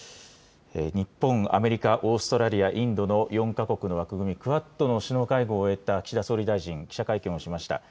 日本、アメリカ、オーストラリア、インドの４か国の枠組み・クアッドの首脳会合を終えた岸田総理大臣、記者会見をしました。